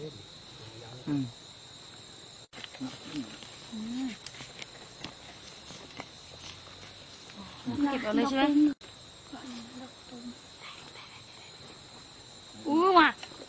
ได้ได้ได้